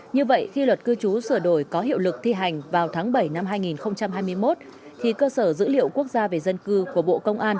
như vậy khi luật cư trú sửa đổi có hiệu lực thi hành vào tháng bảy năm hai nghìn hai mươi một